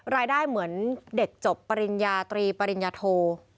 เหมือนเด็กจบปริญญาตรีปริญญาโท